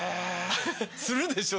するでしょ？